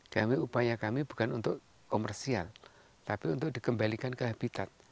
kami upaya kami bukan untuk komersial tapi untuk dikembalikan ke habitat